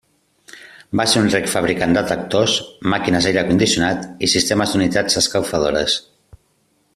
Va ser un ric fabricant de tractors, màquines d'aire condicionat i sistemes d'unitats escalfadores.